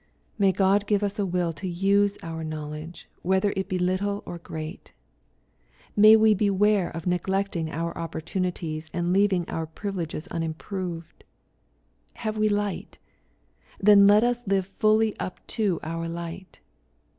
May God give us a will to use our knowledge, whethei it be little or great 1 May we beware of neglecting oui opportunities, and leaving our privileges unimproved 1 Have we light ? Then let us live fully up to our light.